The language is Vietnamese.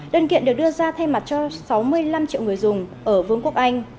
đơn kiện được đưa ra thay mặt cho sáu mươi năm triệu người dùng ở vương quốc anh